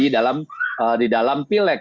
di dalam pileg